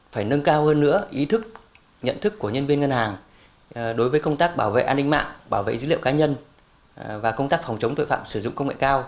phải nâng cao hơn nữa ý thức nhận thức của nhân viên ngân hàng đối với công tác bảo vệ an ninh mạng bảo vệ dữ liệu cá nhân và công tác phòng chống tội phạm sử dụng công nghệ cao